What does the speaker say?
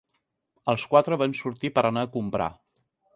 Els quatre van sortir per anar a comprar.